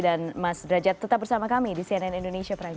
dan mas derajat tetap bersama kami di cnn indonesia prime news